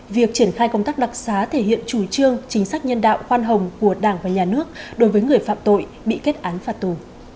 việc triển khai công tác đặc xá thể hiện chủ trương chính sách nhân đạo khoan hồng của đảng và nhà nước đối với người phạm tội bị kết án phạt tù